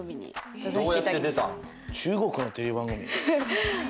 どうやって出た？